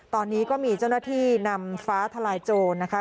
ตอนนี้ก็มีเจ้าหน้าที่นำฟ้าทลายโจรนะคะ